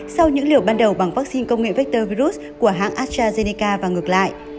sau những liệu ban đầu bằng vaccine công nghệ vector virus của hãng astrazeneca và ngược lại